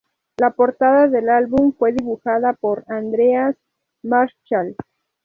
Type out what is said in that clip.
La portada del álbum fue dibujada por Andreas Marschall.